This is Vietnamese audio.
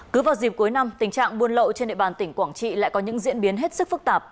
cứ vào dịp cuối năm tình trạng buôn lậu trên địa bàn tỉnh quảng trị lại có những diễn biến hết sức phức tạp